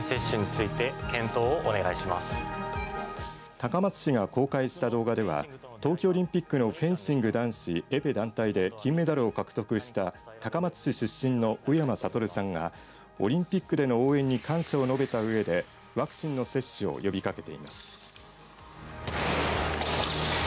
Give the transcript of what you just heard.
高松市が公開した動画では東京オリンピックのフェンシング男子エペ団体で金メダルを獲得した高松市出身の宇山賢さんがオリンピックでの応援に感謝を述べたうえでワクチンの接種を呼びかけています。